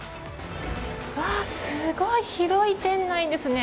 すごい広い店内ですね。